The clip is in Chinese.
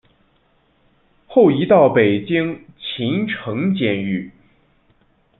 后移到北京秦城监狱。